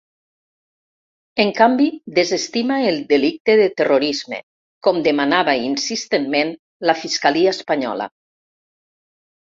En canvi, desestima el delicte de terrorisme, com demanava insistentment la fiscalia espanyola.